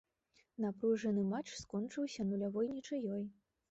Напружаны матч скончыўся нулявой нічыёй.